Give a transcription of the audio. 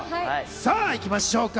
さぁいきましょうか。